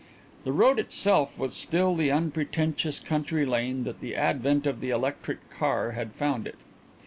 The road itself was still the unpretentious country lane that the advent of the electric car had found it.